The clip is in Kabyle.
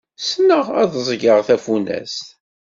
Ssneɣ ad ẓẓgeɣ tafunast.